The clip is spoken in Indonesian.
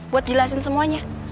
buat jelasin semuanya